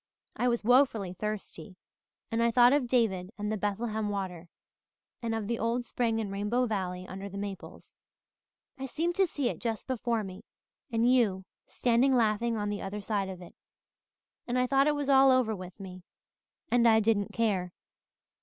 I was woefully thirsty and I thought of David and the Bethlehem water and of the old spring in Rainbow Valley under the maples. I seemed to see it just before me and you standing laughing on the other side of it and I thought it was all over with me. And I didn't care.